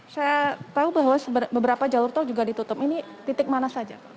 saya tahu bahwa beberapa jalur tol juga ditutup ini titik mana saja pak